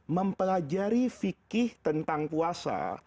mempelajari fikih tentang puasa